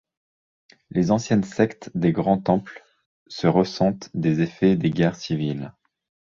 Les anciennes sectes des grands temples se ressentent des effets des guerres civiles.